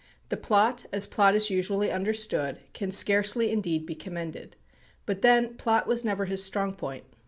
The plot, as plot is usually understood, can scarcely indeed be commended. But then plot was never his strong point.